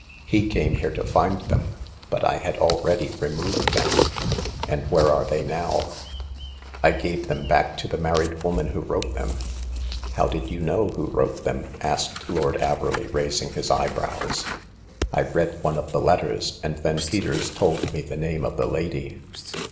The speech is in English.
He came here to find them ; but I had already removed them." " And where are they now ?" 248 Hagar of the Pawn Shop. I gave them back to the married woman who wrote them." How did you know who wrote them ?" asked Lord Averley, raising his eyebrows. " I read one of the letters, and then Peters told me the name of the lady.